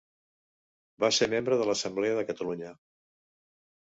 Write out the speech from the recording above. Va ser membre de l'Assemblea de Catalunya.